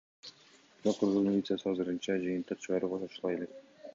Бирок кыргыз милициясы азырынча жыйынтык чыгарууга шашыла элек.